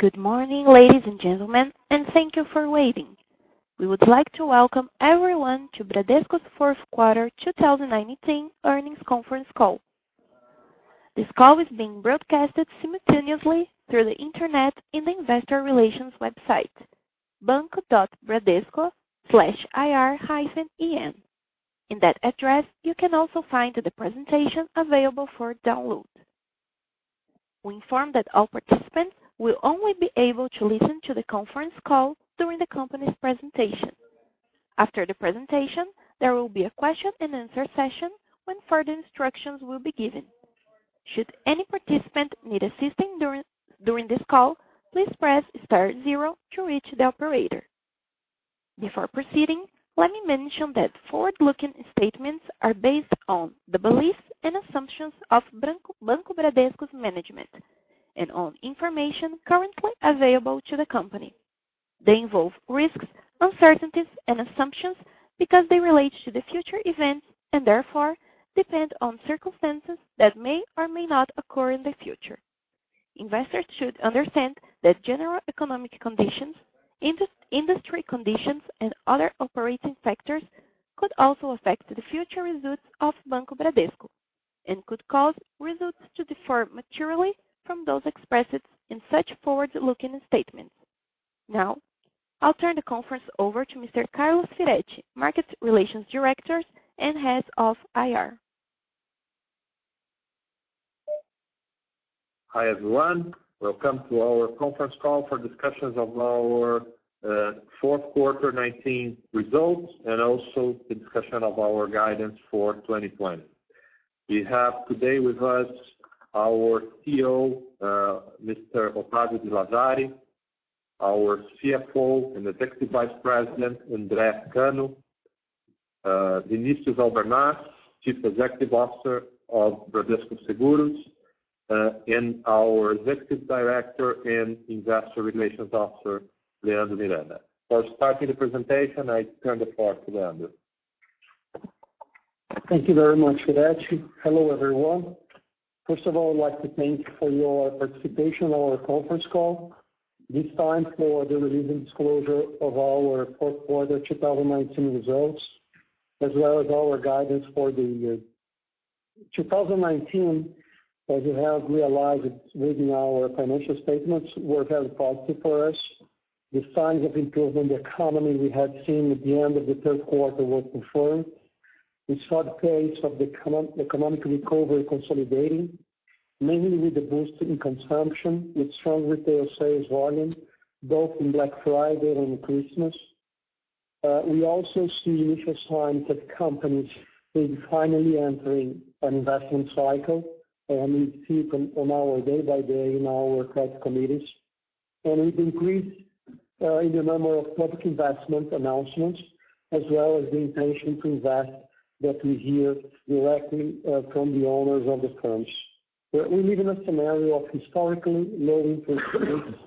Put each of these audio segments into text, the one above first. Good morning, ladies and gentlemen, and thank you for waiting. We would like to welcome everyone to Bradesco's fourth quarter 2019 earnings conference call. This call is being broadcasted simultaneously through the Internet in the investor relations website, banco.bradesco/ir-en. In that address, you can also find the presentation available for download. We inform that all participants will only be able to listen to the conference call during the company's presentation. After the presentation, there will be a question and answer session when further instructions will be given. Should any participant need assistance during this call, please press star zero to reach the operator. Before proceeding, let me mention that forward-looking statements are based on the beliefs and assumptions of Banco Bradesco's management and on information currently available to the company. They involve risks, uncertainties, and assumptions because they relate to the future events and therefore depend on circumstances that may or may not occur in the future. Investors should understand that general economic conditions, industry conditions, and other operating factors could also affect the future results of Banco Bradesco and could cause results to differ materially from those expressed in such forward-looking statements. Now, I'll turn the conference over to Mr. Carlos Firetti, Market Relations Director and Head of IR. Hi, everyone. Welcome to our conference call for discussions of our fourth quarter 2019 results and also the discussion of our guidance for 2020. We have today with us our CEO, Mr. Octavio de Lazari, our CFO and Executive Vice President, Andre Cano, Vinicius Albernaz, Chief Executive Officer of Bradesco Seguros, and our Executive Director and Investor Relations Officer, Leandro Miranda. For starting the presentation, I turn the floor to Leandro. Thank you very much, Firetti. Hello, everyone. First of all, I'd like to thank you for your participation in our conference call. This time for the release and disclosure of our fourth quarter 2019 results, as well as our guidance for the year. 2019, as you have realized reading our financial statements, was very positive for us. The signs of improvement in the economy we had seen at the end of the third quarter were confirmed. We saw the pace of economic recovery consolidating, mainly with the boost in consumption, with strong retail sales volume, both in Black Friday and Christmas. We also see initial signs that companies will be finally entering an investment cycle, and we see it on our day by day in our credit committees. We've increased in the number of public investment announcements, as well as the intention to invest that we hear directly from the owners of the firms. We live in a scenario of historically low interest rates,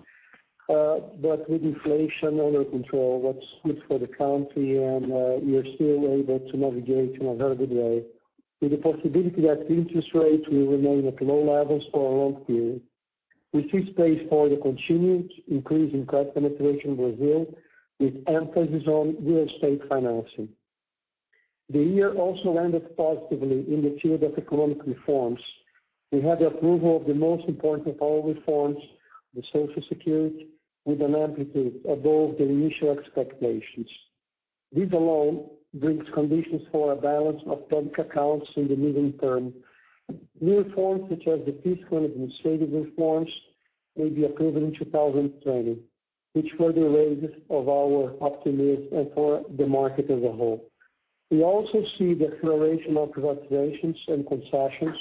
but with inflation under control, what's good for the country, and we are still able to navigate in a very good way. With the possibility that interest rates will remain at low levels for a long period, we see space for the continued increase in credit penetration in Brazil, with emphasis on real estate financing. The year also ended positively in the field of economic reforms. We had the approval of the most important of all reforms, the social security, with an amplitude above the initial expectations. This alone brings conditions for a balance of public accounts in the medium term. New reforms, such as the fiscal and administrative reforms, may be approved in 2020, which further raises our optimism and for the market as a whole. We also see the acceleration of privatizations and concessions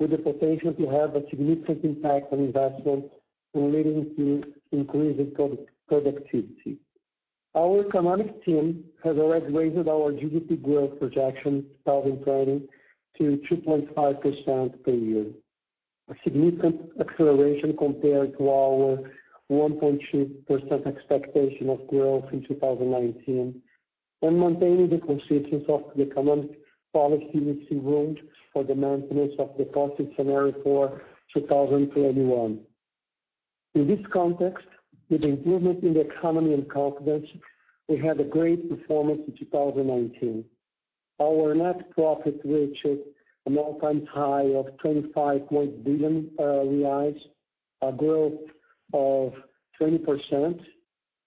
with the potential to have a significant impact on investment and leading to increased productivity. Our economic team has already raised our GDP growth projection 2020 to 2.5% per year, a significant acceleration compared to our 1.2% expectation of growth in 2019 and maintaining the consistency of the economic policy route for the maintenance of the positive scenario for 2021. In this context, with improvement in the economy in confidence, we had a great performance in 2019. Our net profit reached an all-time high of 25.1 billion reais, a growth of 20%,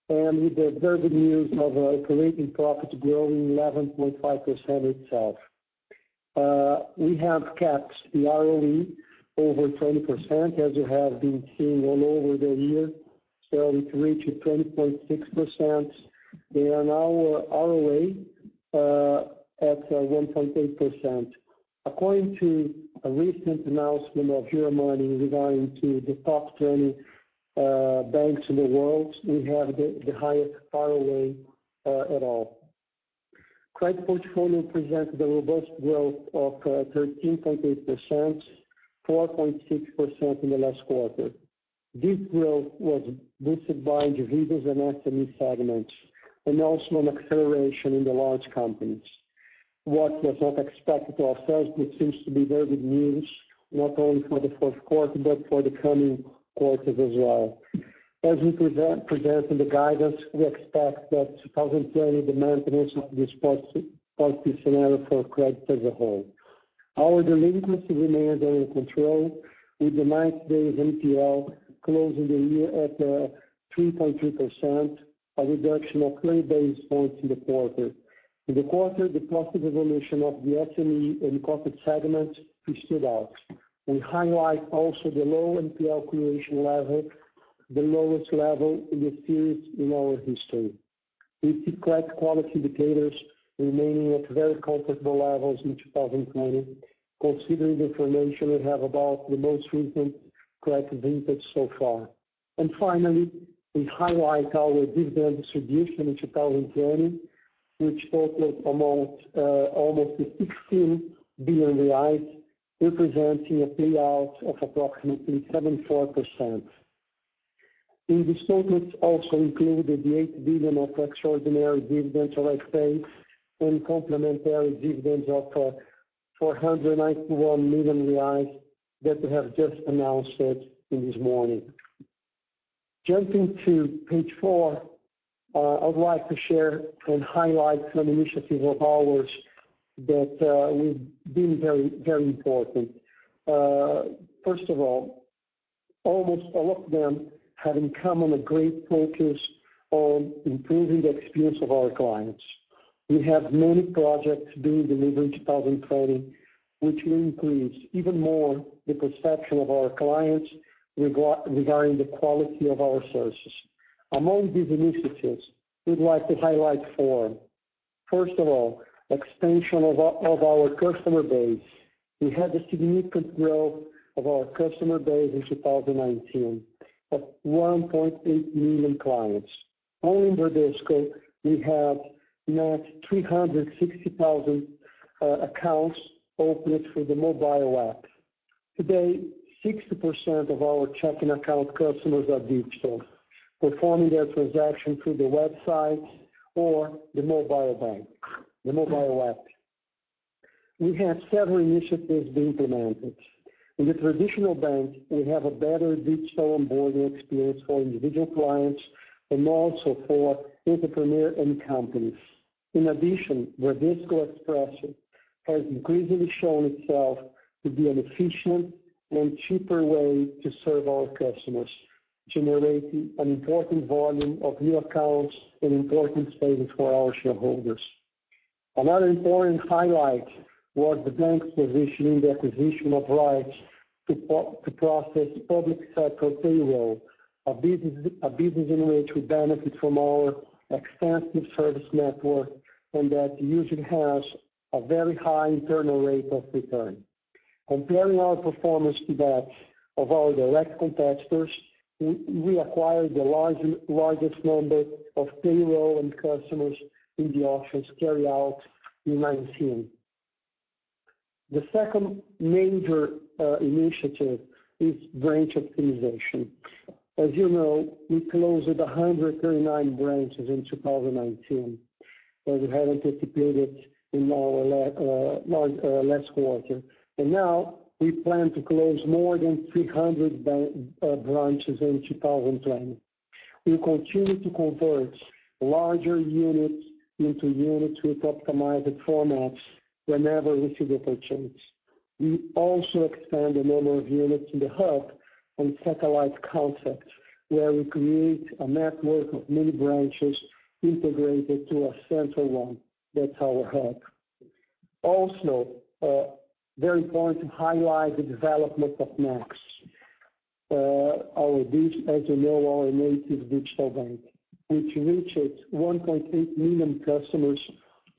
and with the very good news of our operating profit growing 11.5% itself. We have capped the ROE over 20%, as you have been seeing all over the year, so it reached 20.6%, and our ROA at 1.8%. According to a recent announcement of Euromoney regarding to the top 20 banks in the world, we have the highest ROA at all. Credit portfolio presents a robust growth of 13.8%, 4.6% in the last quarter. This growth was boosted by individuals and SME segments, and also an acceleration in the large companies. What was not expected of ourselves, but seems to be very good news, not only for the fourth quarter, but for the coming quarters as well. As we present in the guidance, we expect that 2020, the maintenance of this positive scenario for credit as a whole. Our delinquency remains under control, with the 90-day NPL closing the year at 3.3%, a reduction of 30 basis points in the quarter. In the quarter, the positive evolution of the SME and corporate segment, we stood out. We highlight also the low NPL creation level, the lowest level in the series in our history. We see credit quality indicators remaining at very comfortable levels in 2020, considering the information we have about the most recent credit vintage so far. Finally, we highlight our dividend distribution in 2020, which totaled almost 16 billion reais, representing a payout of approximately 74%. In this total, it also included the 8 billion of extraordinary dividends already paid and complementary dividends of 491 million reais that we have just announced it this morning. Jumping to page four, I would like to share and highlight some initiatives of ours that we've been very important. First of all, almost all of them have in common a great focus on improving the experience of our clients. We have many projects being delivered in 2020, which will increase even more the perception of our clients regarding the quality of our services. Among these initiatives, we'd like to highlight four. First of all, expansion of our customer base. We had a significant growth of our customer base in 2019 of 1.8 million clients. Only in Bradesco, we have net 360,000 accounts opened through the mobile app. Today, 60% of our checking account customers are digital, performing their transaction through the website or the mobile app. We have several initiatives being implemented. In the traditional bank, we have a better digital onboarding experience for individual clients and also for entrepreneur and companies. In addition, Bradesco Expresso has increasingly shown itself to be an efficient and cheaper way to serve our customers, generating an important volume of new accounts and important savings for our shareholders. Another important highlight was the bank's position in the acquisition of rights to process public sector payroll, a business in which we benefit from our extensive service network, and that usually has a very high internal rate of return. Comparing our performance to that of our direct competitors, we acquired the largest number of payroll and customers in the office carried out in 2019. The second major initiative is branch optimization. As you know, we closed 139 branches in 2019, as we had anticipated in our last quarter. Now we plan to close more than 300 branches in 2020. We continue to convert larger units into units with optimized formats whenever we see the potential. We also expand the number of units in the hub and satellite concepts, where we create a network of many branches integrated to a central one that's our hub. Very important to highlight the development of Next, as you know, our native digital bank, which reached 1.8 million customers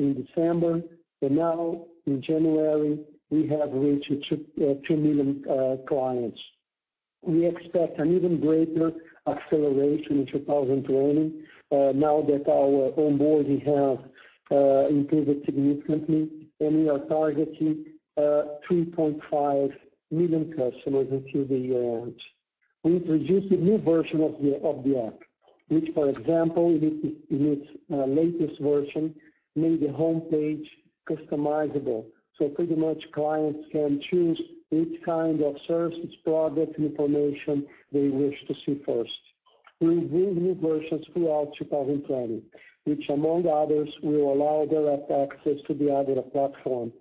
in December, and now in January, we have reached two million clients. We expect an even greater acceleration in 2020 now that our onboarding has improved significantly, and we are targeting 2.5 million customers until the year ends. We introduced a new version of the app, which, for example, in its latest version, made the homepage customizable. Pretty much clients can choose which kind of services, product information they wish to see first. We will bring new versions throughout 2020, which among others, will allow direct access to the Ágora platform.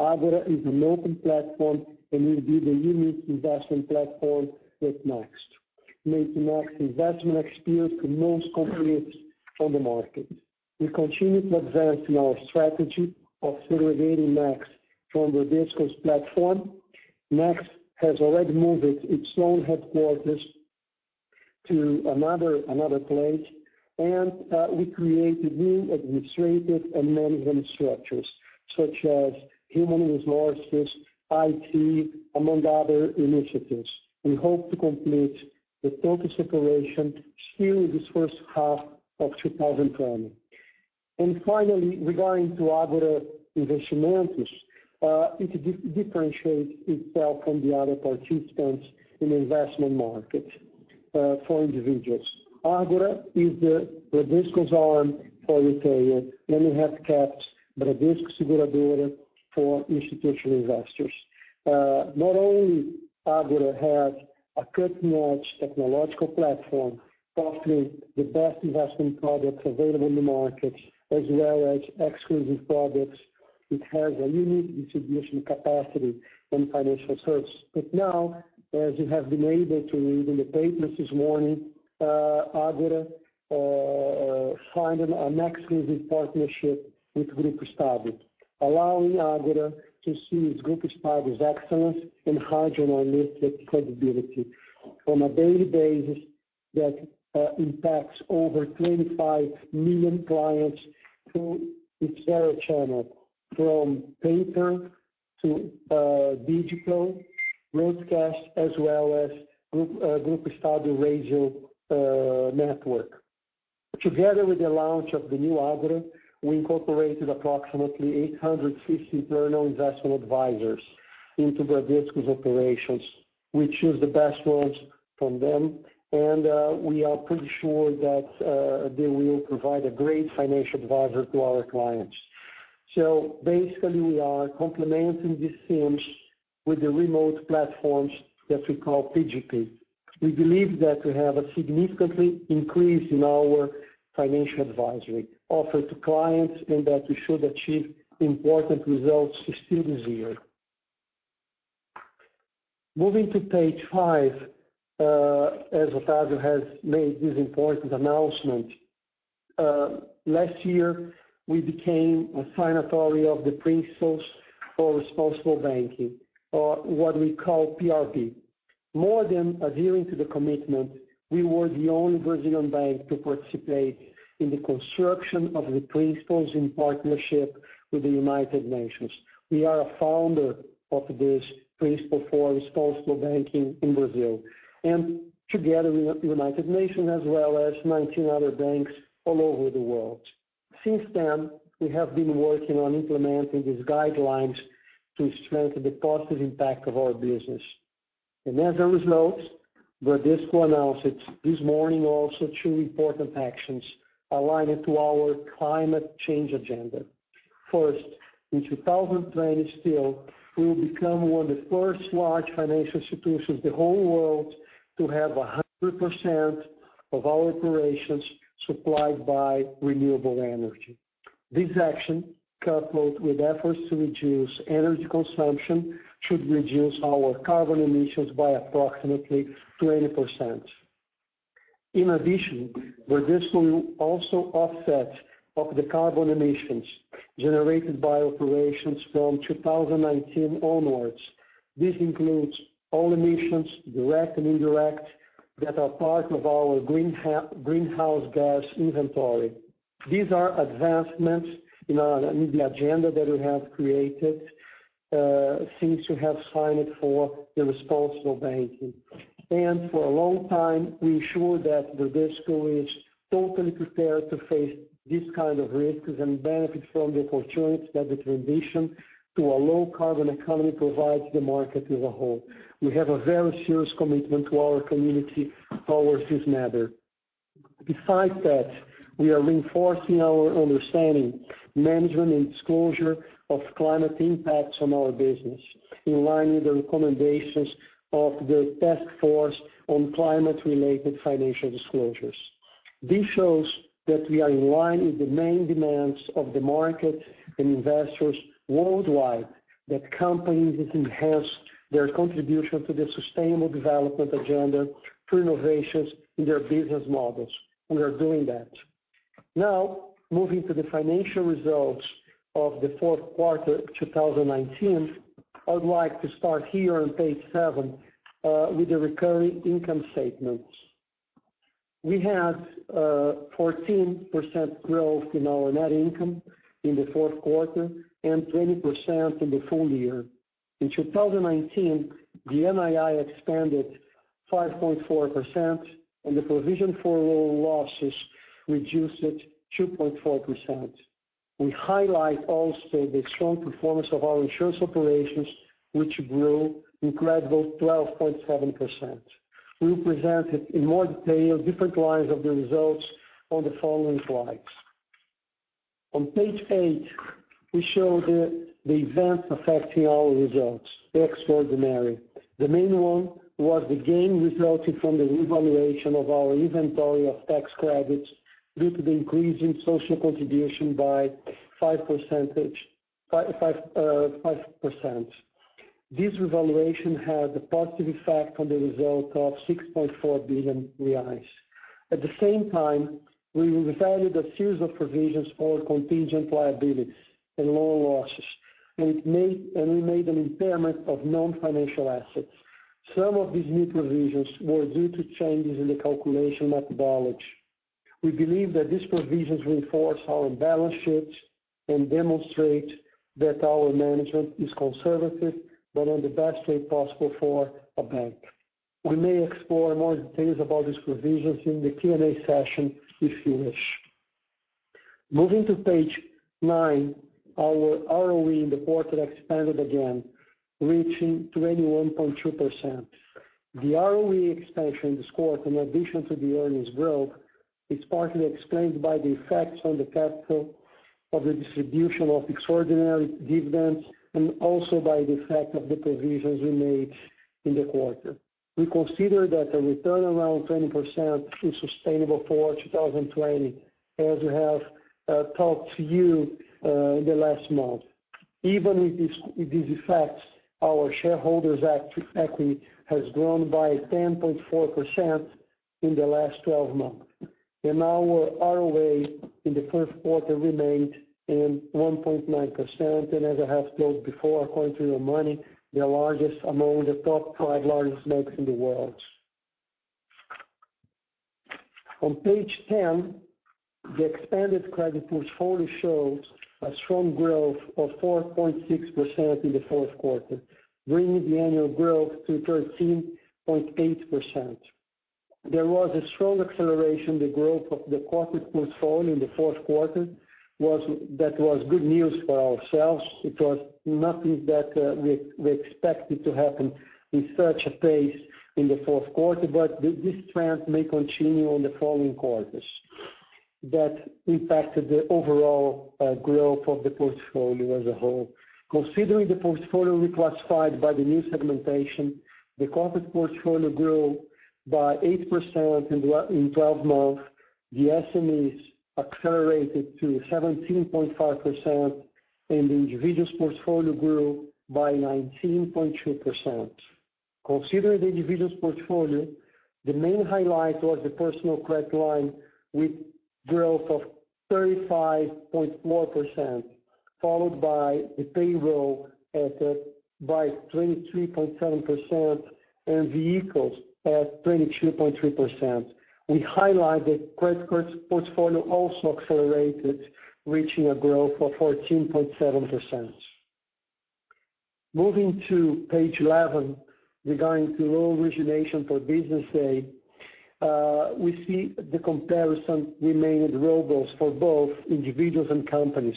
Ágora is an open platform and will be the unique investment platform with Next, making Next investment experience the most complete on the market. We continue to advance in our strategy of segregating Next from Bradesco's platform. Next has already moved its own headquarters to another place, and we created new administrative and management structures, such as human resources, IT, among other initiatives. We hope to complete the total separation still in this first half of 2020. Finally, regarding Ágora Investimentos, it differentiates itself from the other participants in investment market. For individuals, Ágora is the Bradesco's arm for retail. We have Bradesco Seguros for institutional investors. Not only Ágora has a cutting-edge technological platform, offering the best investment products available in the market, as well as exclusive products. It has a unique distribution capacity and financial service. Now, as you have been able to read in the papers this morning, Ágora signed an exclusive partnership with Grupo Estado, allowing Ágora to seize Grupo Estado's excellence and high journalistic credibility on a daily basis that impacts over 25 million clients through its various channels, from paper to digital, broadcast, as well as Grupo Estado radio network. Together with the launch of the new Ágora, we incorporated approximately 850 personal investment advisors into Bradesco's operations. We choose the best ones from them, we are pretty sure that they will provide a great financial advisor to our clients. Basically, we are complementing these teams with the remote platforms that we call PGP. We believe that we have a significantly increase in our financial advisory offer to clients, that we should achieve important results still this year. Moving to page five, as Otávio has made this important announcement, last year, we became a signatory of the Principles for Responsible Banking, or what we call PRB. More than adhering to the commitment, we were the only Brazilian bank to participate in the construction of the principles in partnership with the United Nations. We are a founder of this Principles for Responsible Banking in Brazil, together with United Nations as well as 19 other banks all over the world. Since then, we have been working on implementing these guidelines to strengthen the positive impact of our business. As a result, Bradesco announced this morning also two important actions aligned to our climate change agenda. First, in 2020 still, we will become one of the first large financial institutions in the whole world to have 100% of our operations supplied by renewable energy. This action, coupled with efforts to reduce energy consumption, should reduce our carbon emissions by approximately 20%. In addition, Bradesco will also offset of the carbon emissions generated by operations from 2019 onwards. This includes all emissions, direct and indirect, that are part of our greenhouse gas inventory. These are advancements in the agenda that we have created since we have signed it for the Responsible Banking. For a long time, we ensure that Bradesco is totally prepared to face these kind of risks and benefit from the opportunities that the transition to a low carbon economy provides the market as a whole. Besides that, we are reinforcing our understanding, management, and disclosure of climate impacts on our business, in line with the recommendations of the Task Force on Climate-related Financial Disclosures. This shows that we are in line with the main demands of the market and investors worldwide, that companies enhance their contribution to the sustainable development agenda through innovations in their business models. We are doing that. Moving to the financial results of the fourth quarter 2019, I would like to start here on page seven, with the recurring income statements. We had 14% growth in our net income in the fourth quarter, and 20% in the full year. In 2019, the NII expanded 5.4%, and the provision for loan losses reduced 2.4%. We highlight also the strong performance of our insurance operations, which grew incredible 12.7%. We will present it in more detail, different lines of the results on the following slides. On page eight, we show the events affecting our results, extraordinary. The main one was the gain resulting from the revaluation of our inventory of tax credits due to the increase in social contribution by 5%. This revaluation had a positive effect on the result of 6.4 billion reais. At the same time, we revalued a series of provisions for contingent liabilities and loan losses, and we made an impairment of non-financial assets. Some of these new provisions were due to changes in the calculation methodology. We believe that these provisions reinforce our balance sheet and demonstrate that our management is conservative, but on the best way possible for a bank. We may explore more details about these provisions in the Q&A session, if you wish. Moving to page nine, our ROE in the quarter expanded again, reaching 21.2%. The ROE expansion this quarter in addition to the earnings growth, is partly explained by the effects on the capital of the distribution of extraordinary dividends and also by the effect of the provisions we made in the quarter. We consider that a return around 20% is sustainable for 2020, as we have talked to you in the last month. Even with these effects, our shareholders' equity has grown by 10.4% in the last 12 months. Our ROA in the first quarter remained in 1.9%, and as I have told before, according to Euromoney, the largest among the top five largest banks in the world. On page 10, the expanded credit portfolio shows a strong growth of 4.6% in the fourth quarter, bringing the annual growth to 13.8%. There was a strong acceleration the growth of the corporate portfolio in the fourth quarter. That was good news for ourselves. It was nothing that we expected to happen in such a pace in the fourth quarter, but this trend may continue on the following quarters. That impacted the overall growth of the portfolio as a whole. Considering the portfolio reclassified by the new segmentation, the corporate portfolio grew by 8% in 12 months, the SMEs accelerated to 17.5%, and the individuals portfolio grew by 19.2%. Considering the individuals portfolio, the main highlight was the personal credit line with growth of 35.4%, followed by the payroll at by 23.7% and vehicles at 22.3%. We highlight the credit card portfolio also accelerated, reaching a growth of 14.7%. Moving to page 11, regarding to loan origination for business day, we see the comparison remained robust for both individuals and companies,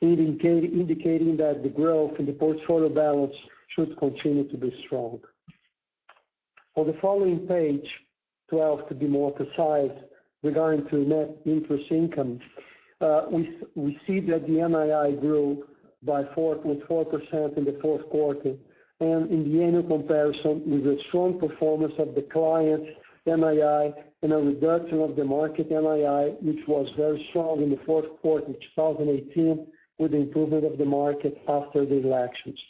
indicating that the growth in the portfolio balance should continue to be strong. On the following page 12, to be more precise, regarding to net interest income, we see that the NII grew by 4.4% in the fourth quarter and in the annual comparison with a strong performance of the client NII in a reduction of the market NII, which was very strong in the fourth quarter 2018 with the improvement of the market after the elections.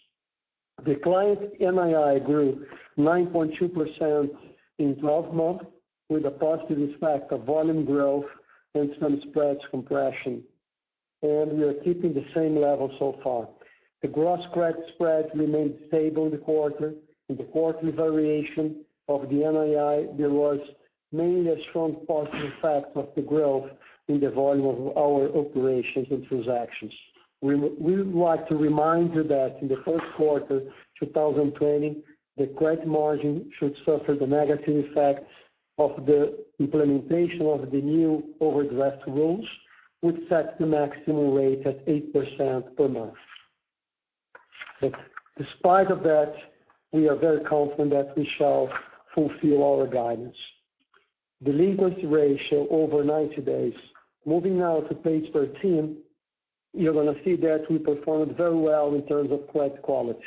The client NII grew 9.2% in 12 months with a positive effect of volume growth and some spreads compression, and we are keeping the same level so far. The gross credit spread remained stable in the quarter. In the quarterly variation of the NII, there was mainly a strong positive effect of the growth in the volume of our operations and transactions. We would like to remind you that in the first quarter 2020, the credit margin should suffer the negative effects of the implementation of the new overdraft rules, which set the maximum rate at 8% per month. Despite of that, we are very confident that we shall fulfill our guidance. Delinquency ratio over 90 days. Moving now to page 13, you're going to see that we performed very well in terms of credit quality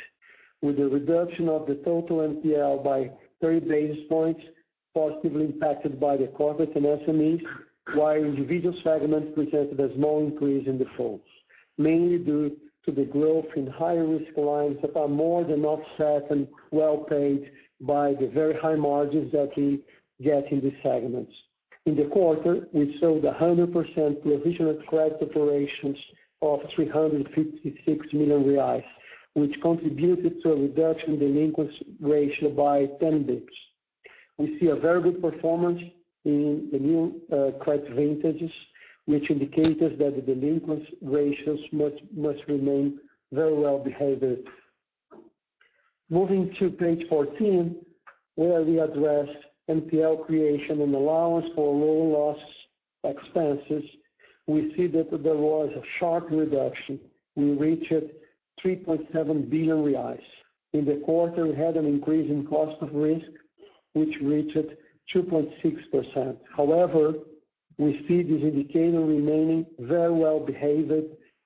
with the reduction of the total NPL by 30 basis points, positively impacted by the corporate and SMEs, while individuals segment presented a small increase in defaults, mainly due to the growth in higher risk clients that are more than offset and well-paid by the very high margins that we get in these segments. In the quarter, we saw the 100% provision of credit operations of 356 million reais, which contributed to a reduction delinquency ratio by 10 basis points. We see a very good performance in the new credit vintages, which indicates that the delinquency ratios must remain very well-behaved. Moving to page 14, where we address NPL creation and allowance for loan loss expenses, we see that there was a sharp reduction. We reached 3.7 billion reais. In the quarter, we had an increase in cost of risk, which reached 2.6%. We see this indicator remaining very well-behaved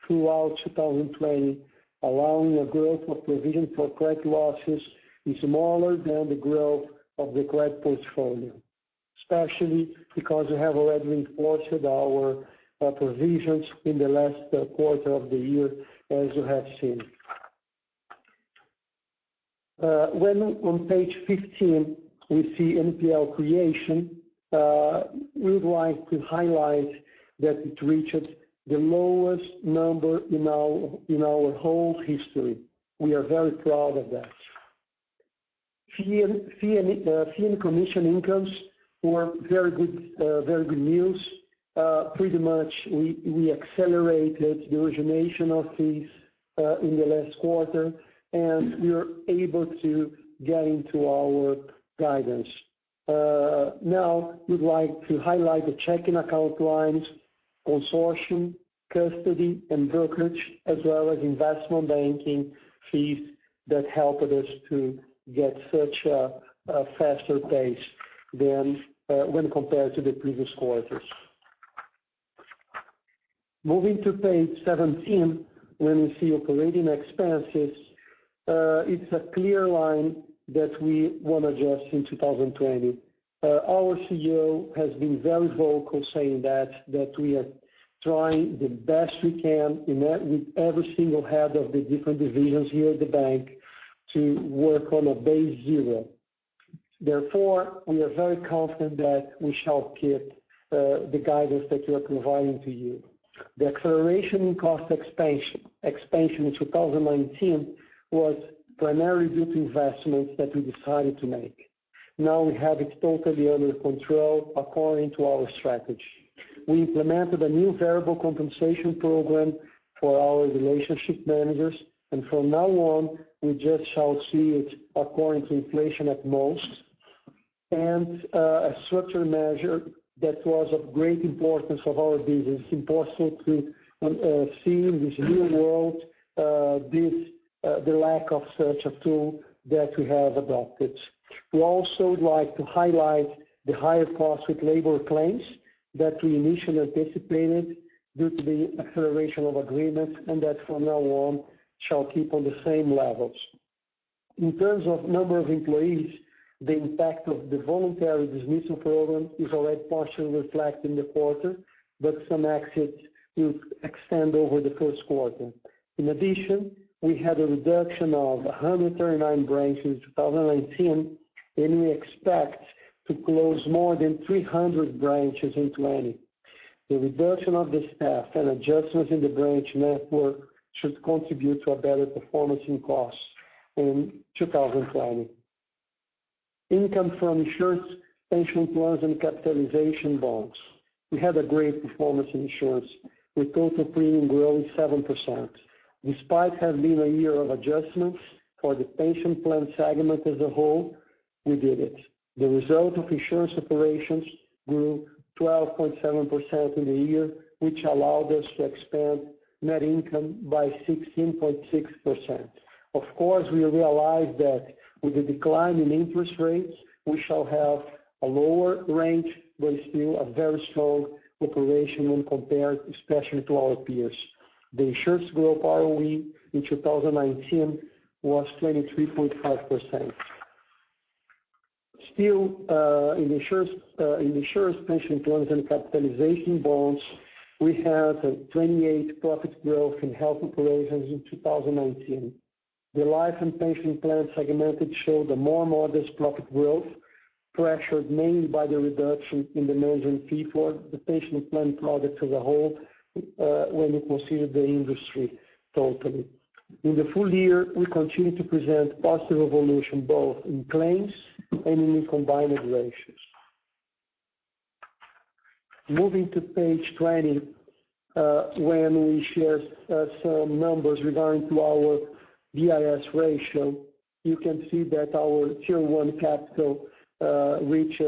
throughout 2020, allowing a growth of provision for credit losses is smaller than the growth of the credit portfolio, especially because we have already reported our provisions in the last quarter of the year as you have seen. On page 15, we see NPL creation. We'd like to highlight that it reached the lowest number in our whole history. We are very proud of that. Fee and commission incomes were very good news. Pretty much we accelerated the origination of these in the last quarter, and we are able to get into our guidance. Now we'd like to highlight the checking account lines, consortium, custody, and brokerage, as well as investment banking fees that helped us to get such a faster pace than when compared to the previous quarters. Moving to page 17, when we see operating expenses, it's a clear line that we want to address in 2020. Our CEO has been very vocal saying that we are trying the best we can with every single head of the different divisions here at the bank to work on a base zero. We are very confident that we shall keep the guidance that we are providing to you. The acceleration in cost expansion in 2019 was primarily due to investments that we decided to make. We have it totally under control according to our strategy. We implemented a new variable compensation program for our relationship managers, from now on, we just shall see it according to inflation at most. A structure measure that was of great importance of our business, impossible to see in this new world, the lack of such a tool that we have adopted. We also would like to highlight the higher cost with labor claims that we initially anticipated due to the acceleration of agreements, that from now on shall keep on the same levels. In terms of number of employees, the impact of the voluntary dismissal program is already partially reflected in the quarter, but some exit will extend over the first quarter. In addition, we had a reduction of 139 branches in 2019, and we expect to close more than 300 branches in 2020. The reduction of the staff and adjustments in the branch network should contribute to a better performance in costs in 2020. Income from insurance, pension plans and capitalization bonds. We had a great performance in insurance with total premium growing 7%, despite having been a year of adjustments for the pension plan segment as a whole, we did it. The result of insurance operations grew 12.7% in the year, which allowed us to expand net income by 16.6%. Of course, we realize that with the decline in interest rates, we shall have a lower range, but still a very strong operation when compared, especially to our peers. The insurance group ROE in 2019 was 23.5%. Still, in insurance, pension plans and capitalization bonds, we had a 28% profit growth in health operations in 2019. The life and pension plan segmented showed a more modest profit growth, pressured mainly by the reduction in the management fee for the pension plan product as a whole when you consider the industry totally. In the full year, we continue to present positive evolution both in claims and in combined ratios. Moving to page 20, when we share some numbers regarding to our BIS ratio, you can see that our Tier 1 capital reached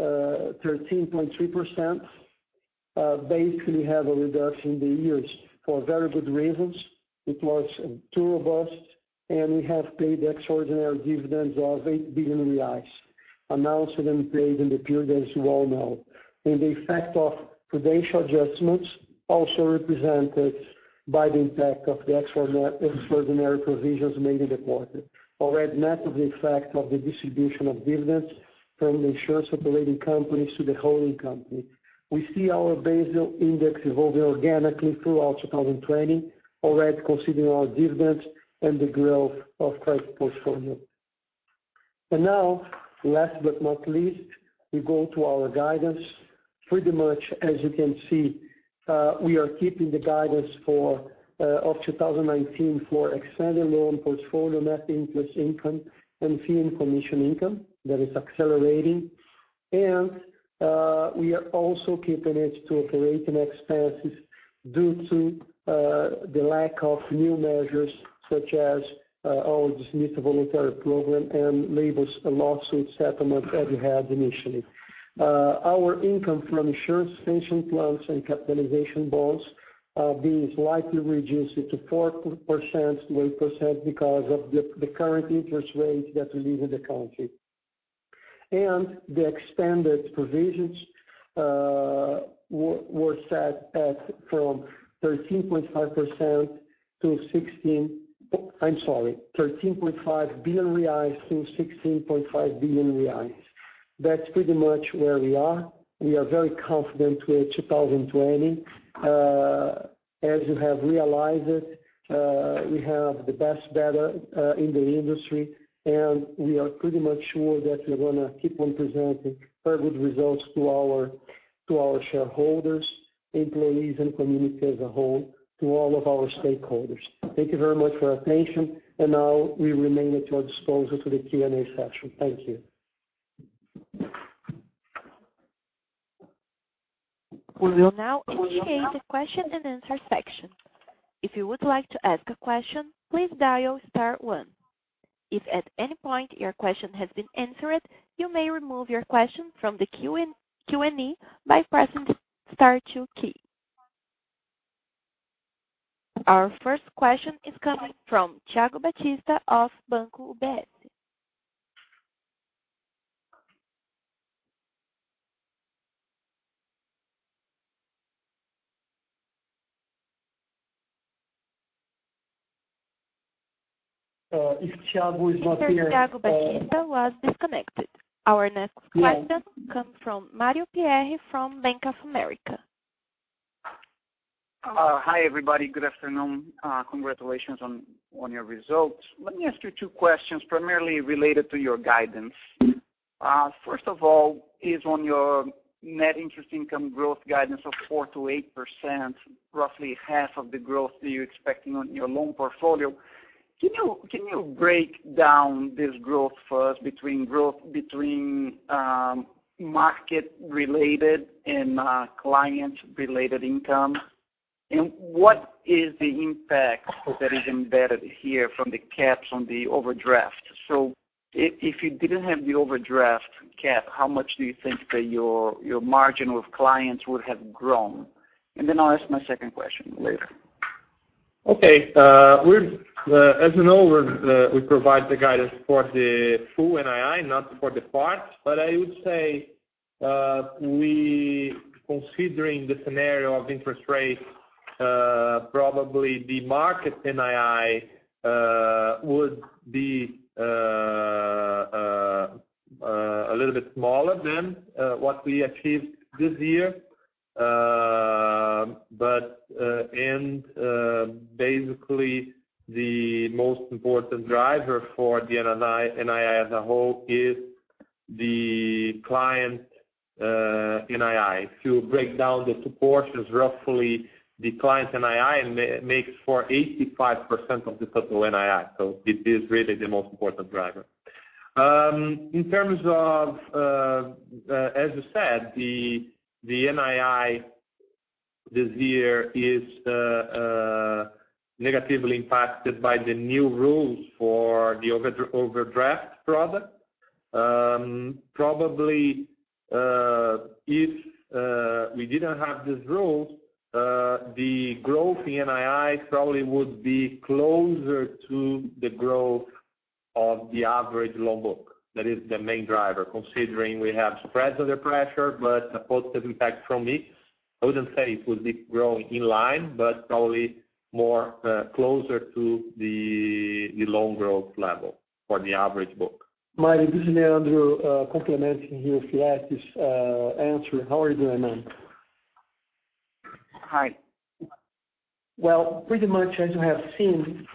13.3%, basically had a reduction in the years for very good reasons. It was too robust, we have paid extraordinary dividends of 8 billion reais, announced and paid in the period, as you all know. The effect of prudential adjustments also represented by the impact of the extraordinary provisions made in the quarter. Already net of the effect of the distribution of dividends from the insurance operating companies to the holding company. We see our Basel index evolving organically throughout 2020, already considering our dividends and the growth of credit portfolio. Now, last but not least, we go to our guidance. Pretty much as you can see, we are keeping the guidance of 2019 for extended loan portfolio, net interest income, and fee and commission income that is accelerating. We are also keeping it to operating expenses due to the lack of new measures such as our dismissal voluntary program and labor lawsuit settlement that we had initially. Our income from insurance, pension plans and capitalization bonds are being slightly reduced to 4%-8% because of the current interest rates that we live in the country. The extended provisions were set at I'm sorry, 13.5 billion-16.5 billion reais. That's pretty much where we are. We are very confident with 2020. As you have realized, we have the best data in the industry, and we are pretty much sure that we're going to keep on presenting very good results to our shareholders, employees, and community as a whole, to all of our stakeholders. Thank you very much for your attention. Now we remain at your disposal to the Q&A session. Thank you. We will now initiate a question and answer section. If you would like to ask a question, please dial star one. If at any point your question has been answered, you may remove your question from the Q&A by pressing star two key. Our first question is coming from Thiago Batista of UBS. If Thiago is not there. Mr. Thiago Batista was disconnected. Our next question comes from Mario Pierry from Bank of America. Hi, everybody. Good afternoon. Congratulations on your results. Let me ask you two questions primarily related to your guidance. First of all is on your net interest income growth guidance of 4%-8%, roughly half of the growth that you're expecting on your loan portfolio. Can you break down this growth for us between market-related and client-related income? What is the impact that is embedded here from the caps on the overdraft? If you didn't have the overdraft cap, how much do you think that your margin with clients would have grown? Then I'll ask my second question later. Okay. As you know, we provide the guidance for the full NII, not for the part. I would say, considering the scenario of interest rates, probably the market NII would be a little bit smaller than what we achieved this year. Basically, the most important driver for the NII as a whole is the client NII. If you break down the proportions, roughly the client NII makes for 85% of the total NII. It is really the most important driver. In terms of, as you said, the NII this year is negatively impacted by the new rules for the overdraft product. Probably, if we didn't have this rule, the growth in NII probably would be closer to the growth of the average loan book. That is the main driver, considering we have spreads under pressure, but a positive impact from it. I wouldn't say it would be growing in line, but probably more closer to the loan growth level for the average book. Mario, this is Leandro complementing here Firetti's answer. How are you doing, man? Hi. Well, pretty much as you have seen,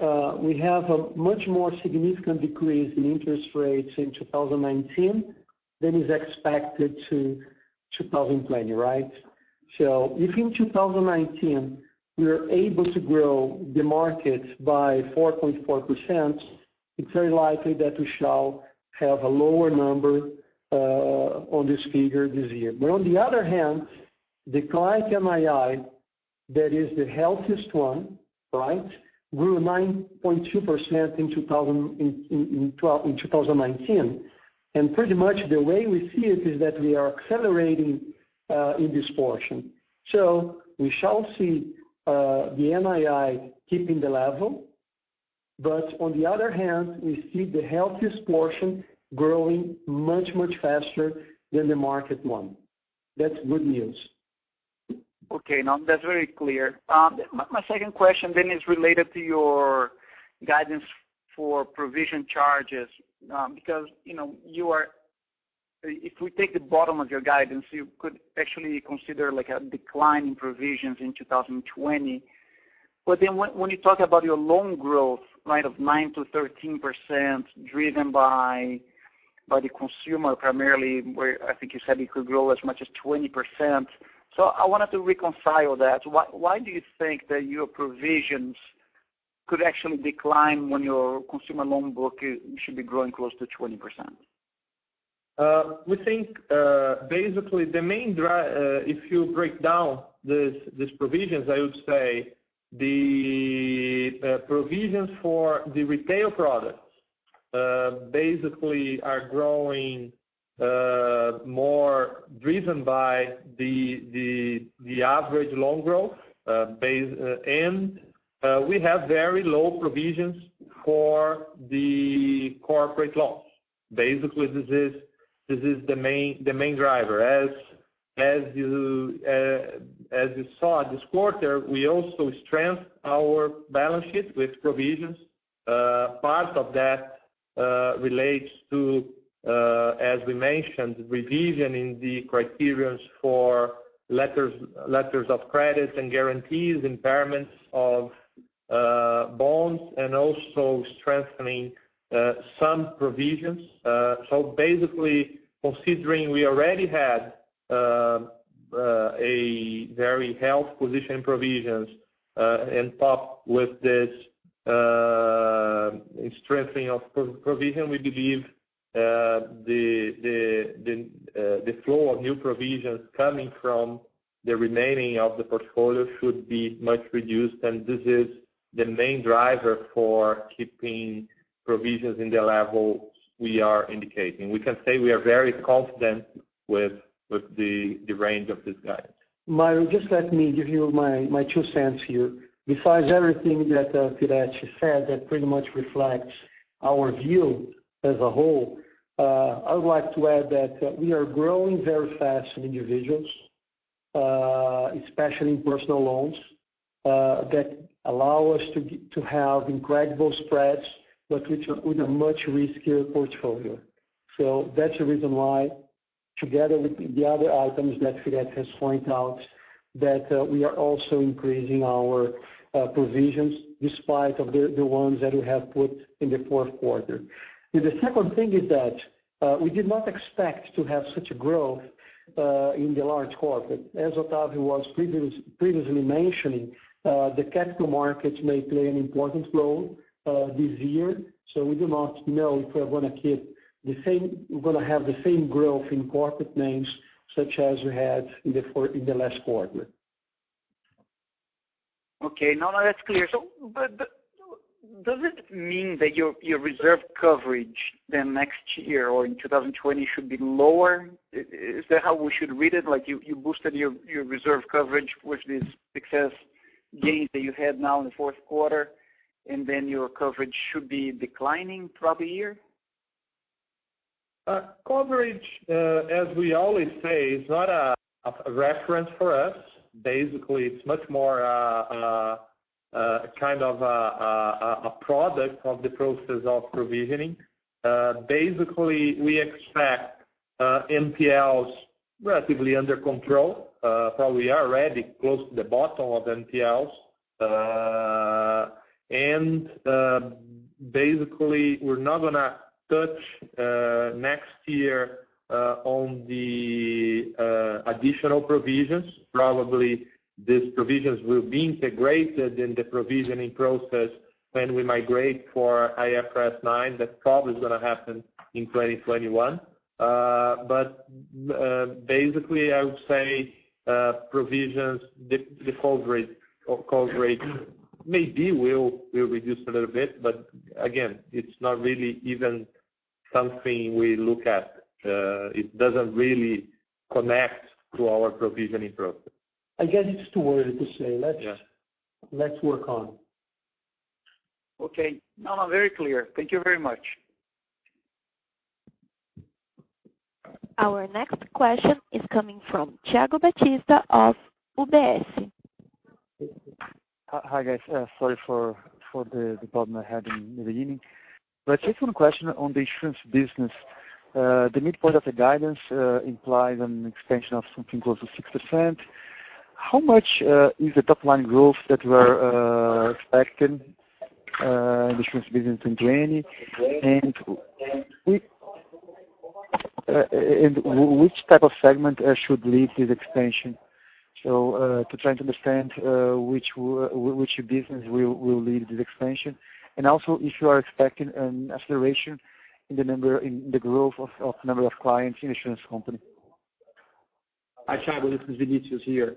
we have a much more significant decrease in interest rates in 2019 than is expected to 2020, right? If in 2019, we are able to grow the market by 4.4%, it's very likely that we shall have a lower number on this figure this year. On the other hand, the client NII, that is the healthiest one, right, grew 9.2% in 2019. Pretty much the way we see it is that we are accelerating in this portion. We shall see the NII keeping the level. On the other hand, we see the healthiest portion growing much, much faster than the market one. That's good news. Okay. No, that's very clear. My second question is related to your guidance for provision charges. If we take the bottom of your guidance, you could actually consider a decline in provisions in 2020. When you talk about your loan growth of 9% to 13% driven by the consumer primarily, where I think you said it could grow as much as 20%. I wanted to reconcile that. Why do you think that your provisions could actually decline when your consumer loan book should be growing close to 20%? We think, basically, if you break down these provisions, I would say the provisions for the retail products basically are growing more driven by the average loan growth. We have very low provisions for the corporate loans. Basically, this is the main driver. As you saw this quarter, we also strengthened our balance sheet with provisions. Part of that relates to, as we mentioned, revision in the criteria for letters of credit and guarantees, impairments of bonds, and also strengthening some provisions. Basically, considering we already had a very healthy position in provisions and topped with strengthening of provision, we believe the flow of new provisions coming from the remaining of the portfolio should be much reduced, and this is the main driver for keeping provisions in the levels we are indicating. We can say we are very confident with the range of this guidance. Mario, just let me give you my two cents here. Besides everything that Firetti said that pretty much reflects our view as a whole, I would like to add that we are growing very fast in individuals, especially personal loans, that allow us to have incredible spreads, but with a much riskier portfolio. That's the reason why, together with the other items that Firetti has pointed out, that we are also increasing our provisions despite of the ones that we have put in the fourth quarter. The second thing is that we did not expect to have such a growth in the large corporate. As Octavio was previously mentioning, the capital markets may play an important role this year, we do not know if we're going to have the same growth in corporate names such as we had in the last quarter. Okay. No, that's clear. Does it mean that your reserve coverage then next year or in 2020 should be lower? Is that how we should read it? Like, you boosted your reserve coverage with this success gains that you had now in the fourth quarter, your coverage should be declining probably here? Coverage, as we always say, is not a reference for us. Basically, it's much more a kind of a product of the process of provisioning. Basically, we expect NPLs relatively under control, probably already close to the bottom of NPLs. Basically, we're not going to touch next year on the additional provisions. Probably these provisions will be integrated in the provisioning process when we migrate for IFRS 9. That probably is going to happen in 2021. Basically, I would say provisions, the default rate maybe will reduce a little bit, but again, it's not really even something we look at. It doesn't really connect to our provisioning process. Again, it's too early to say. Yeah Let's work on. Okay. No, very clear. Thank you very much. Our next question is coming from Thiago Batista of UBS. Hi, guys. Sorry for the problem I had in the beginning. Just one question on the insurance business. The midpoint of the guidance implies an expansion of something close to 6%. How much is the top-line growth that we're expecting in insurance business in 2020? Which type of segment should lead this expansion? To try to understand which business will lead this expansion, and also if you are expecting an acceleration in the growth of number of clients in insurance company. Hi, Thiago. This is Vinicius here.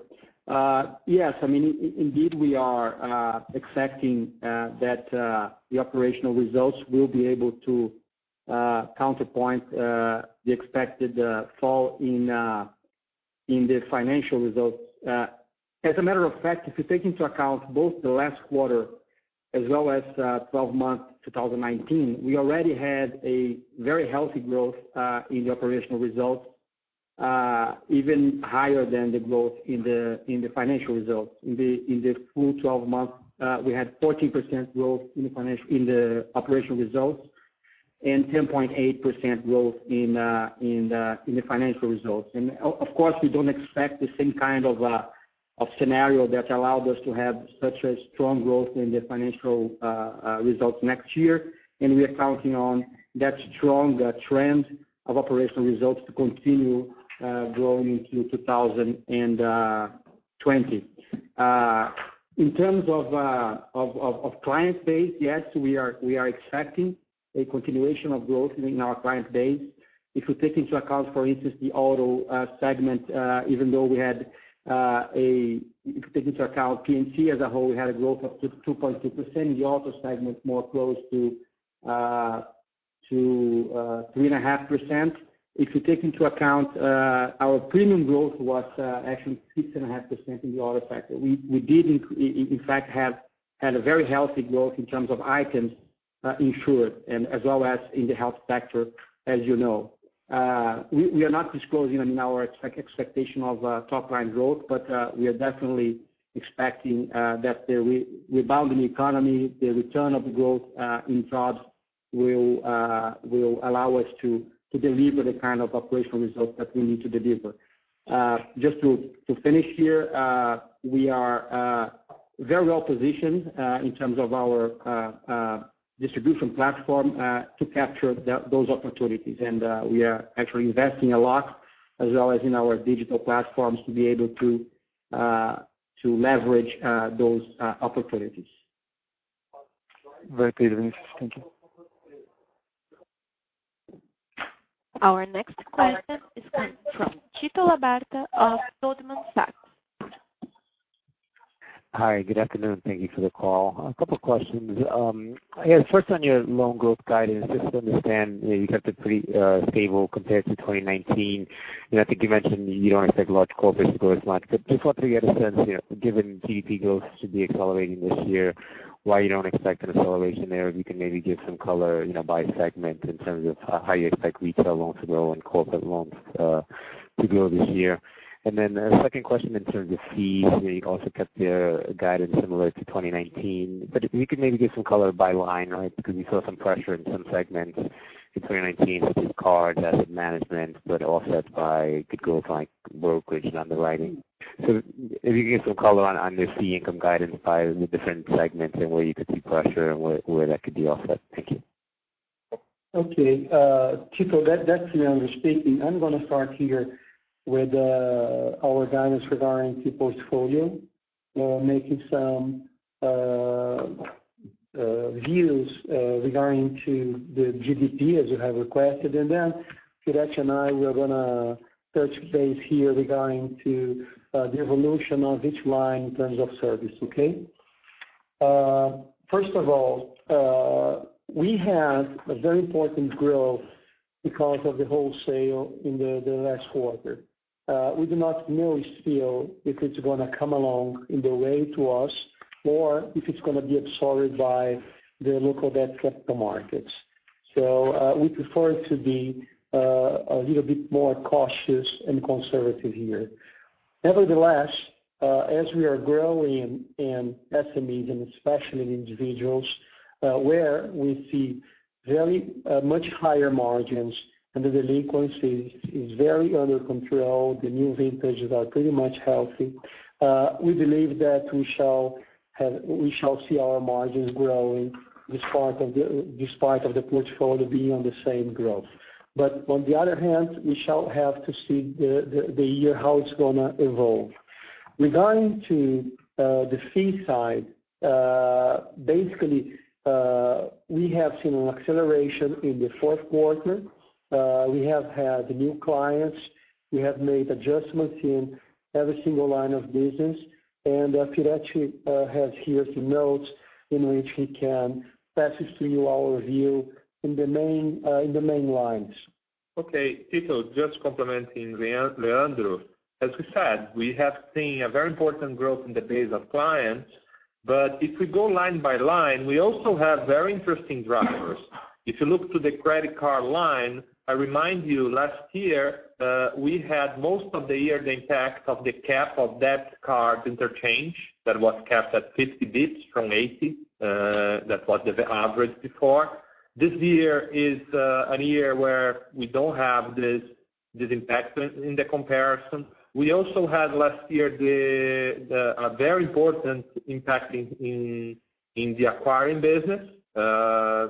Yes, indeed we are expecting that the operational results will be able to counterpoint the expected fall in the financial results. As a matter of fact, if you take into account both the last quarter as well as 12-month 2019, we already had a very healthy growth in the operational results, even higher than the growth in the financial results. In the full 12 months, we had 14% growth in the operational results and 10.8% growth in the financial results. Of course, we don't expect the same kind of scenario that allowed us to have such a strong growth in the financial results next year. We are counting on that strong trend of operational results to continue growing through 2020. In terms of client base, yes, we are expecting a continuation of growth in our client base. If you take into account, for instance, the auto segment, even though if you take into account P&C as a whole, we had a growth of 2.2%, the auto segment more close to 3.5%. If you take into account our premium growth was actually 6.5% in the auto sector. We did in fact had a very healthy growth in terms of [ICMS insured] and as well as in the health sector, as you know. We are not disclosing our expectation of top-line growth, but we are definitely expecting that the rebound in the economy, the return of growth in jobs will allow us to deliver the kind of operational results that we need to deliver. Just to finish here, we are very well positioned in terms of our distribution platform to capture those opportunities. We are actually investing a lot as well as in our digital platforms to be able to leverage those opportunities. Very clear, Vinicius. Thank you. Our next question is coming from Tito Labarta of Goldman Sachs. Hi, good afternoon. Thank you for the call. A couple questions. First on your loan growth guidance, just to understand, you kept it pretty stable compared to 2019. I think you mentioned you don't expect large corporate growth much. Just want to get a sense, given GDP growth should be accelerating this year, why you don't expect an acceleration there? If you can maybe give some color by segment in terms of how you expect retail loans to grow and corporate loans to grow this year. A second question in terms of fees. You also kept your guidance similar to 2019. If you could maybe give some color by line, right? Because we saw some pressure in some segments in 2019, such as card, asset management, but offset by good growth on brokerage and underwriting. If you can give some color on the fee income guidance by the different segments and where you could see pressure and where that could be offset. Thank you. Okay. Tito, that is Leandro speaking. I am going to start here with our guidance regarding the portfolio, making some views regarding to the GDP as you have requested. Firetti and I, we are going to touch base here regarding to the evolution of each line in terms of service, okay? First of all, we had a very important growth because of the wholesale in the last quarter. We do not know still if it is going to come along in the way to us or if it is going to be absorbed by the local debt capital markets. We prefer to be a little bit more cautious and conservative here. Nevertheless, as we are growing in SMEs and especially in individuals, where we see very much higher margins and the delinquency is very under control, the new vintages are pretty much healthy, we believe that we shall see our margins growing despite of the portfolio being on the same growth. On the other hand, we shall have to see the year, how it's going to evolve. Regarding to the fee side, basically, we have seen an acceleration in the fourth quarter. We have had new clients. We have made adjustments in every single line of business, and Firetti has here some notes in which he can pass it to you our view in the main lines. Okay, Tito, just complementing Leandro. As we said, we have seen a very important growth in the base of clients. If we go line by line, we also have very interesting drivers. If you look to the credit card line, I remind you last year, we had most of the year the impact of the cap of debit card interchange that was capped at 50 basis points from 80. That was the average before. This year is an year where we don't have this impact in the comparison. We also had last year a very important impact in the acquiring business.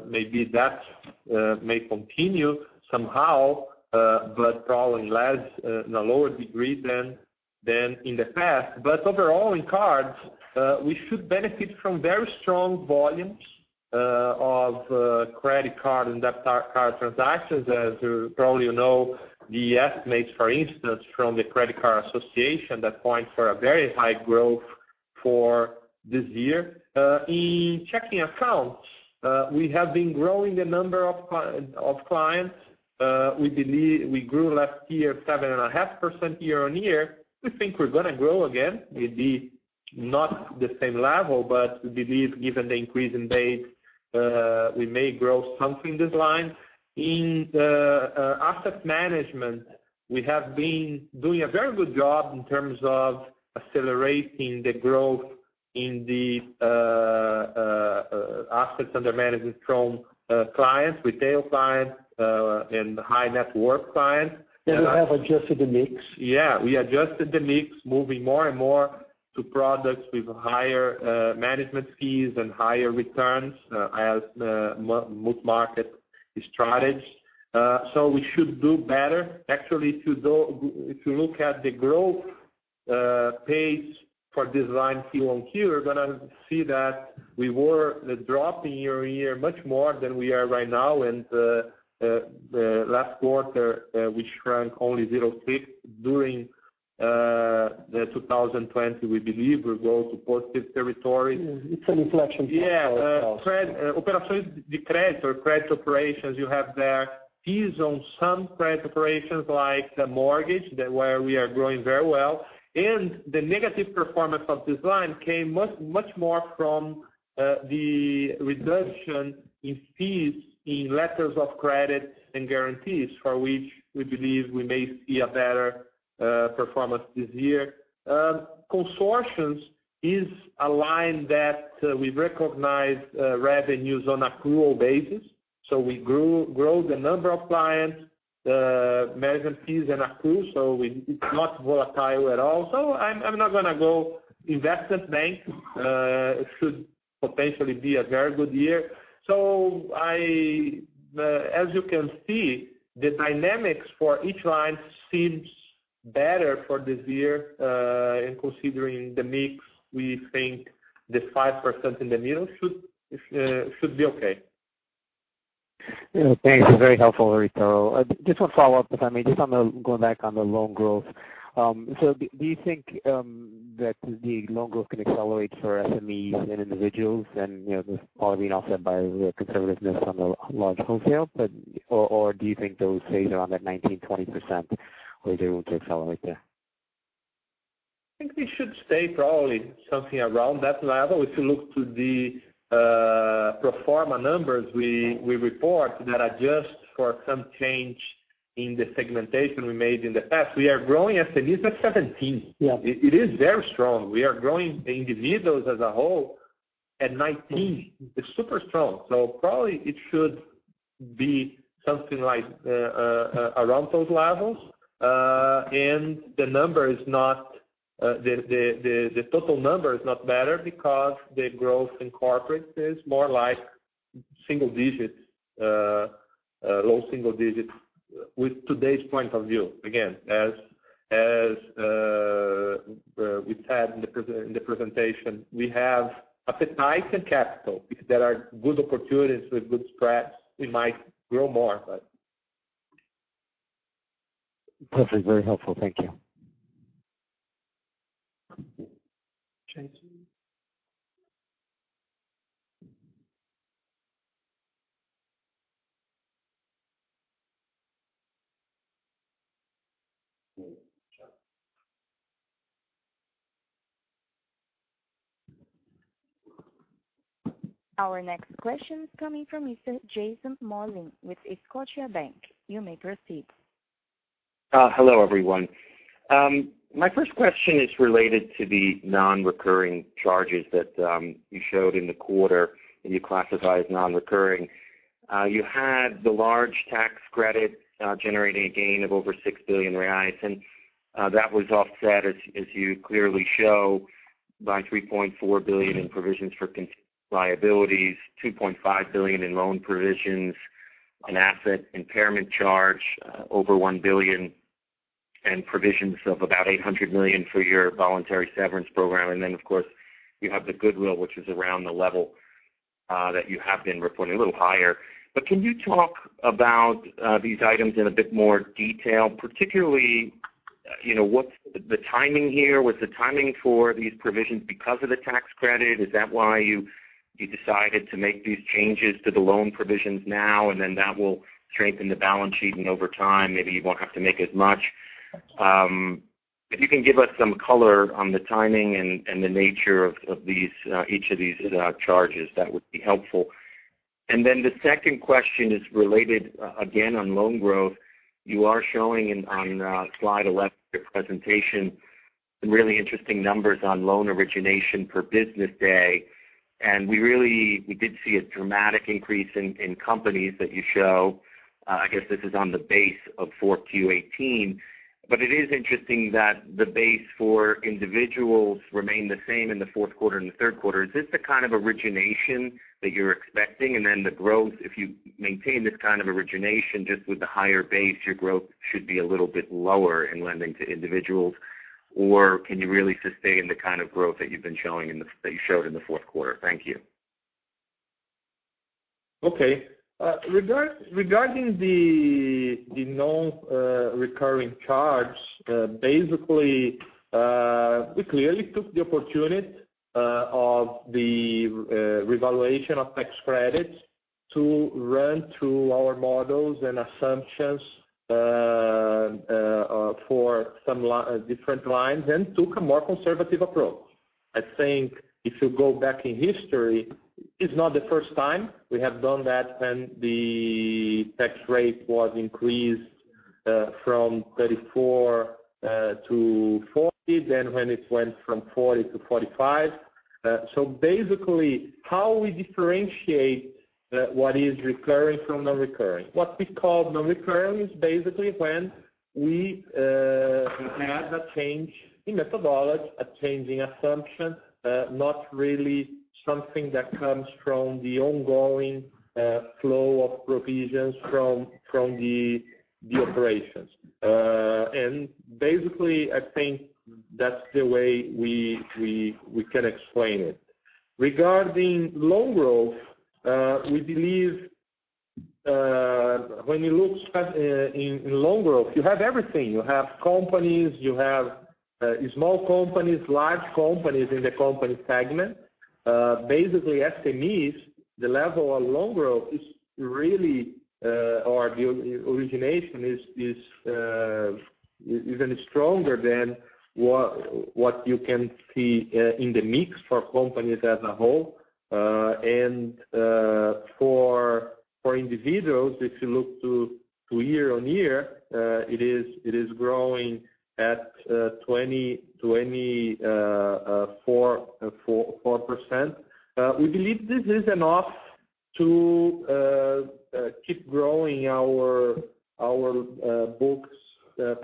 Maybe that may continue somehow, but probably in a lower degree than in the past. Overall, in cards, we should benefit from very strong volumes of credit card and debit card transactions. As you probably know, the estimates, for instance, from the Credit Card Association that point for a very high growth for this year. In checking accounts, we have been growing the number of clients. We grew last year 7.5% year-on-year. We think we're going to grow again, maybe not the same level, but we believe given the increase in base, we may grow something this line. In asset management, we have been doing a very good job in terms of accelerating the growth in the assets under management from clients, retail clients, and high net worth clients. We have adjusted the mix. Yeah, we adjusted the mix, moving more and more to products with higher management fees and higher returns as the money market strategies. We should do better. Actually, if you look at the growth pace for this line Q1 here, you're going to see that we were dropping year-on-year much more than we are right now, and the last quarter, we shrank only 0.6%. During the 2020, we believe we'll go to positive territory. It's an inflection point for us also. Yeah. Operações de crédito or credit operations, you have there fees on some credit operations like the mortgage, where we are growing very well. The negative performance of this line came much more from the reduction in fees in letters of credit and guarantees, for which we believe we may see a better performance this year. Consortiums is a line that we recognize revenues on accrual basis. We grow the number of clients, management fees and accruals, so it's not volatile at all. I'm not going to go investment bank. It should potentially be a very good year. As you can see, the dynamics for each line seems better for this year. In considering the mix, we think the 5% in the middle should be okay. Yeah. Thanks. Very helpful, Firetti. Just one follow-up, if I may, just on going back on the loan growth. Do you think that the loan growth can accelerate for SMEs and individuals and, this is probably being offset by conservativeness on the large wholesale? Do you think they will stay around that 19, 20%, or they will take accelerate there? I think we should stay probably something around that level. If you look to the pro forma numbers we report that adjust for some change in the segmentation we made in the past. We are growing SMEs at 17%. Yeah. It is very strong. We are growing individuals as a whole at 19. It's super strong. Probably it should be something like around those levels. The total number is not better because the growth in corporate is more like single digits, low single digits with today's point of view. Again, as we've said in the presentation, we have appetite and capital. If there are good opportunities with good spreads, we might grow more. Perfect. Very helpful. Thank you. [inaudible] Our next question is coming from Mr. Jason Molin with Scotiabank. You may proceed. Hello, everyone. My first question is related to the non-recurring charges that you showed in the quarter that you classified non-recurring. You had the large tax credit, generating a gain of over 6 billion reais, and that was offset as you clearly show, by 3.4 billion in provisions for liabilities, 2.5 billion in loan provisions, an asset impairment charge over 1 billion, and provisions of about 800 million for your voluntary severance program. Then, of course, you have the goodwill, which is around the level that you have been reporting a little higher. Can you talk about these items in a bit more detail, particularly, what's the timing here? Was the timing for these provisions because of the tax credit? Is that why you decided to make these changes to the loan provisions now and then that will strengthen the balance sheet and over time, maybe you won't have to make as much? If you can give us some color on the timing and the nature of each of these charges, that would be helpful. The second question is related, again, on loan growth. You are showing on slide 11 of your presentation some really interesting numbers on loan origination per business day. We did see a dramatic increase in companies that you show. I guess this is on the base of 4Q18, but it is interesting that the base for individuals remain the same in the fourth quarter and the third quarter. Is this the kind of origination that you're expecting? The growth, if you maintain this kind of origination, just with the higher base, your growth should be a little bit lower in lending to individuals. Can you really sustain the kind of growth that you showed in the fourth quarter? Thank you. Okay. Regarding the known recurring charge, basically, we clearly took the opportunity of the revaluation of tax credits to run through our models and assumptions for some different lines and took a more conservative approach. I think if you go back in history, it's not the first time we have done that when the tax rate was increased from 34 to 40, then when it went from 40 to 45. Basically, how we differentiate what is recurring from non-recurring. What we call non-recurring is basically when we have a change in methodology, a change in assumption, not really something that comes from the ongoing flow of provisions from the operations. Basically, I think that's the way we can explain it. Regarding loan growth, we believe when you look in loan growth, you have everything. You have companies, you have small companies, large companies in the company segment. SMEs, the level of loan growth or the origination is even stronger than what you can see in the mix for companies as a whole. For individuals, if you look to year-on-year, it is growing at 24%. We believe this is enough to keep growing Our books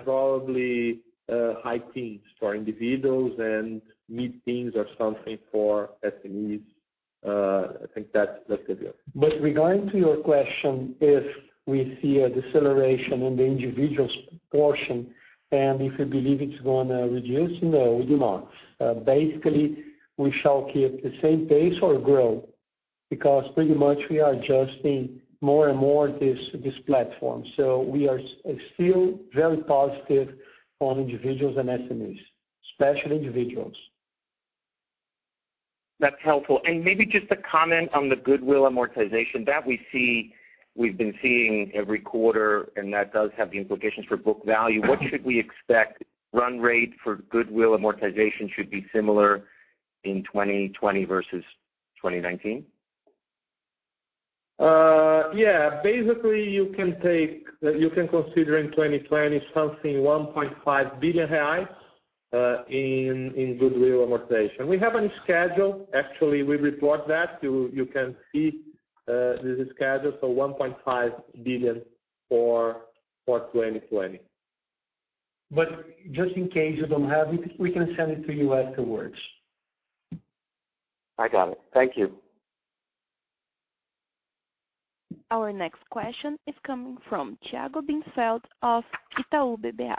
probably high teens for individuals and mid-teens or something for SMEs. I think that's the view. Regarding to your question, if we see a deceleration in the individual portion, and if you believe it's going to reduce, no, we do not. Basically, we shall keep the same pace or grow, because pretty much we are adjusting more and more this platform. We are still very positive on individuals and SMEs, especially individuals. That's helpful. Maybe just a comment on the goodwill amortization. That we've been seeing every quarter, and that does have the implications for book value. What should we expect run rate for goodwill amortization should be similar in 2020 versus 2019? Yeah. Basically, you can consider in 2020 something 1.5 billion reais in goodwill amortization. We have a schedule. Actually, we report that. You can see the schedule for 1.5 billion for 2020. Just in case you don't have it, we can send it to you afterwards. I got it. Thank you. Our next question is coming from Thiago Bincelt of Itaú BBA.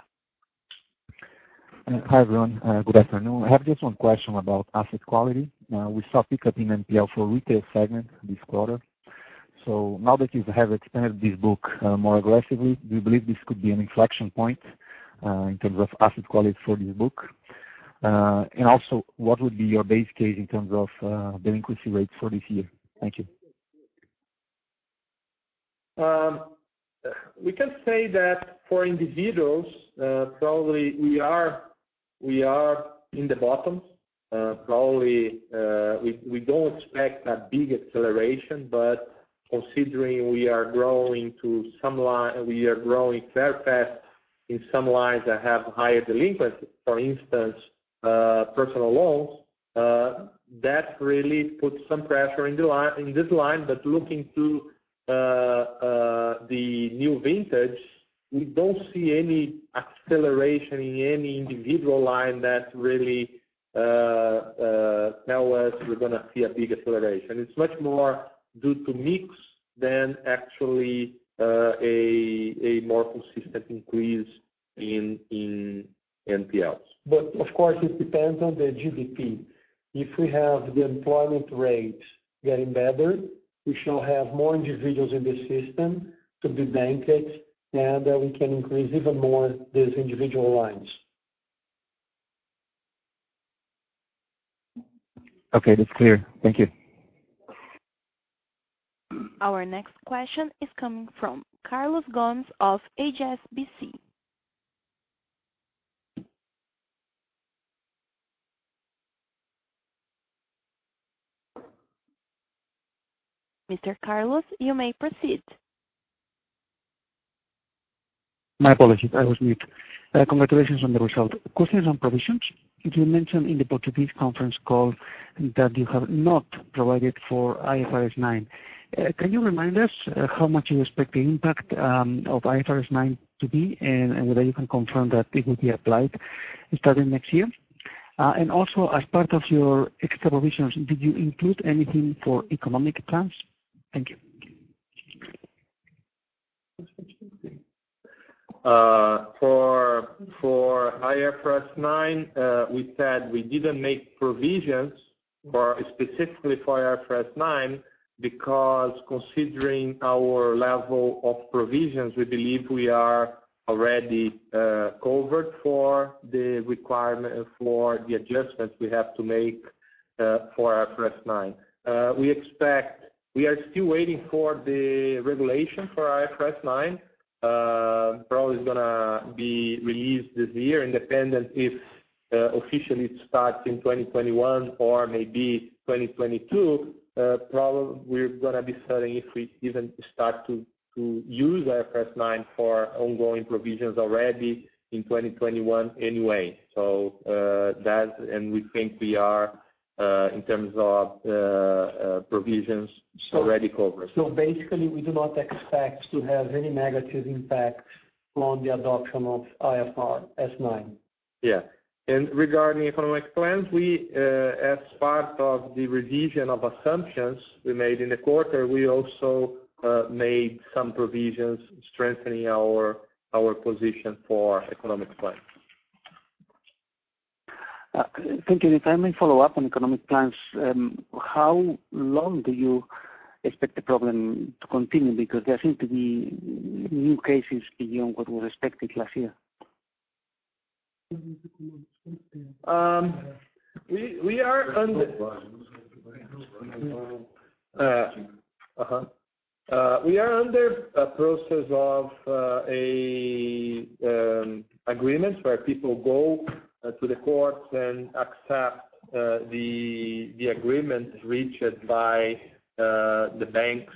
Hi, everyone. Good afternoon. I have just one question about asset quality. We saw pickup in NPL for retail segment this quarter. Now that you have expanded this book more aggressively, do you believe this could be an inflection point in terms of asset quality for this book? Also, what would be your base case in terms of delinquency rates for this year? Thank you. We can say that for individuals, probably we are in the bottom. Probably we don't expect a big acceleration, considering we are growing fair fast in some lines that have higher delinquency, for instance personal loans, that really puts some pressure in this line. Looking to the new vintage, we don't see any acceleration in any individual line that really tell us we're going to see a big acceleration. It's much more due to mix than actually a more consistent increase in NPLs. Of course, it depends on the GDP. If we have the employment rate getting better, we shall have more individuals in the system to be banked, and then we can increase even more these individual lines. Okay, that's clear. Thank you. Our next question is coming from Carlos Gomez-Lopez of HSBC. Mr. Carlos, you may proceed. My apologies. I was mute. Congratulations on the result. Questions on provisions. You mentioned in the Portuguese conference call that you have not provided for IFRS 9. Can you remind us how much you expect the impact of IFRS 9 to be, whether you can confirm that it will be applied starting next year? Also, as part of your extra provisions, did you include anything for economic plans? Thank you. For IFRS 9, we said we didn't make provisions specifically for IFRS 9 because considering our level of provisions, we believe we are already covered for the adjustments we have to make for IFRS 9. We are still waiting for the regulation for IFRS 9. It's going to be released this year, independent if officially it starts in 2021 or maybe 2022. We're going to be studying if we even start to use IFRS 9 for ongoing provisions already in 2021 anyway. We think we are, in terms of provisions, already covered. Basically, we do not expect to have any negative impact on the adoption of IFRS 9. Yeah. Regarding economic plans, as part of the revision of assumptions we made in the quarter, we also made some provisions strengthening our position for economic plans. Thank you. If I may follow up on economic plans, how long do you expect the problem to continue? There seem to be new cases beyond what were expected last year. We are under a process of agreements where people go to the courts and accept the agreements reached by the banks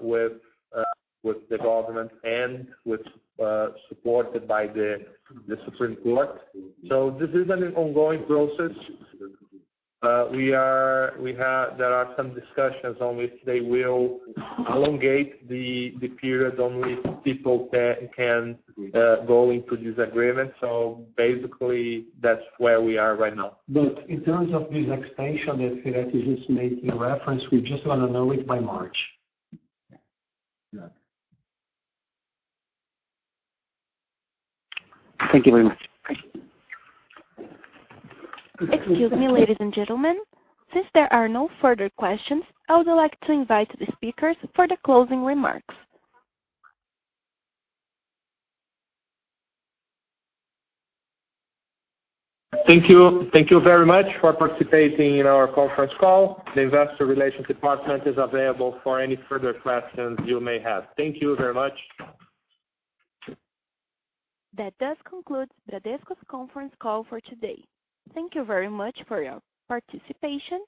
with the government and supported by the Supreme Court. This is an ongoing process. There are some discussions on if they will elongate the period on which people can go into this agreement. Basically, that's where we are right now. In terms of this extension that Firetti is just making a reference, we just want to know it by March. Yeah. Thank you very much. Excuse me, ladies and gentlemen. Since there are no further questions, I would like to invite the speakers for the closing remarks. Thank you. Thank you very much for participating in our conference call. The investor relations department is available for any further questions you may have. Thank you very much. That does conclude Bradesco's conference call for today. Thank you very much for your participation.